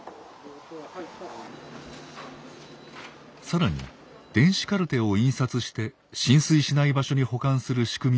更に電子カルテを印刷して浸水しない場所に保管する仕組みを整備。